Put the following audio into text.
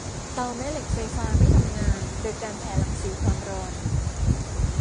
เตาแม่เหล็กไฟฟ้าไม่ทำงานโดยการแผ่รังสีความร้อน